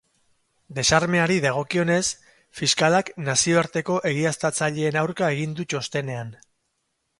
Desarmeari dagokionez, fiskalak nazioarteko egiaztatzaileen aurka egin du txostenean.